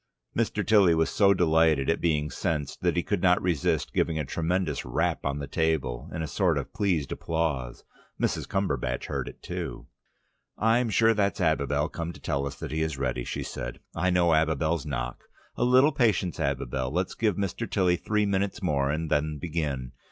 Mr. Tilly was so delighted at being sensed, that he could not resist giving a tremendous rap on the table, in a sort of pleased applause. Mrs. Cumberbatch heard it too. "I'm sure that's Abibel come to tell us that he is ready," she said. "I know Abibel's knock. A little patience, Abibel. Let's give Mr. Tilly three minutes more and then begin.